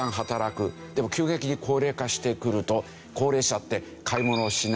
でも急激に高齢化してくると高齢者って買い物をしない。